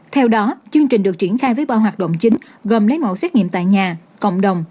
theo đó chương trình được triển khai với ba hoạt động chính gồm lấy mẫu xét nghiệm tại nhà cộng đồng